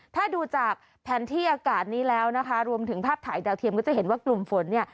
ถ้าดูจากแผนที่อากาศนี้แล้วนะคะรวมถึงภาพถ่ายดาวเทียมก็จะเห็นว่ากลุ่มฝนเนี่ย